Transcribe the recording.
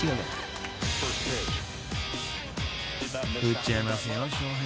［打っちゃいますよ翔平］